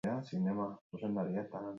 Ikerketa zabalik dago oraindik auzitegian.